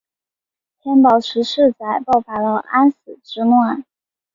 天宝十四载爆发了安史之乱。